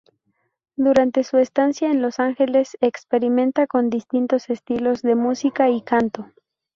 Durante su estancia en Los Ángeles, experimenta con distintos estilos de música y canto.